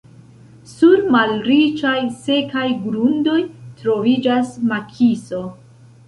Sur malriĉaj, sekaj grundoj troviĝas makiso.